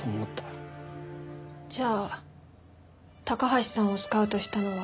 じゃあ高橋さんをスカウトしたのは？